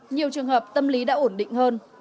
nhiều trường hợp tâm lý đã ổn định hơn